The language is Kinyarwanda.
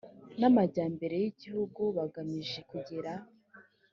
n amajyambere y igihugu bagamije kugera